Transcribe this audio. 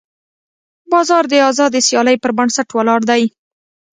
بازار د ازادې سیالۍ پر بنسټ ولاړ دی.